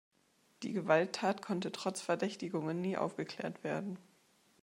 Die Gewalttat konnte trotz Verdächtigungen nie aufgeklärt werden.